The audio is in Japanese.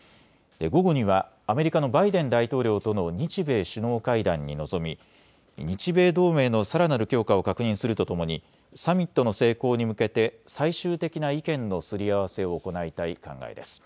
午後にはアメリカのバイデン大統領との日米首脳会談に臨み日米同盟のさらなる強化を確認するとともにサミットの成功に向けて最終的な意見のすり合わせを行いたい考えです。